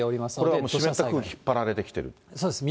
これはもう、湿った空気に引っ張られて来てる？